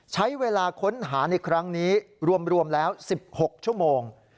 ใช้เวลาค้นหาในครั้งนี้รวมแล้ว๑๖ชั่วโมง